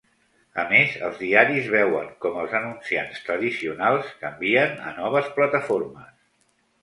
A més, els diaris veuen com els anunciants tradicionals canvien a noves plataformes.